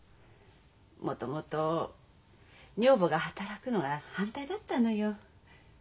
もともと女房が働くのは反対だったのよ。